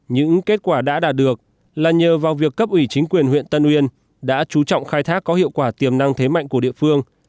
những kết quả đã đạt được là nhờ vào việc cấp ủy chính quyền huyện tân uyên đã chú trọng khai thác có hiệu quả tiềm năng thế mạnh của địa phương